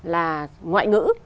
là ngoại ngữ